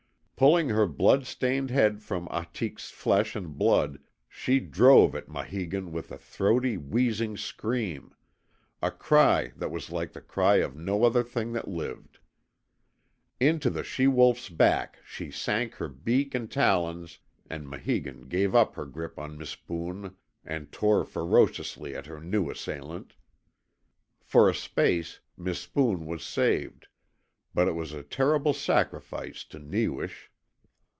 Pulling her blood stained head from Ahtik's flesh and blood she drove at Maheegun with a throaty, wheezing scream a cry that was like the cry of no other thing that lived. Into the she wolf's back she sank her beak and talons and Maheegun gave up her grip on Mispoon and tore ferociously at her new assailant. For a space Mispoon was saved, but it was at a terrible sacrifice to Newish.